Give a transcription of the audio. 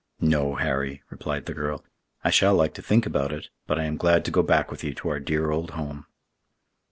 "No, Harry," replied the girl; "I shall like to think about it, but I am glad to go back with you to our dear old home."